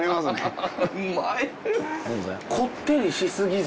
こってりしすぎず。